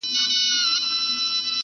که را مخ زما پر لور هغه صنم کا.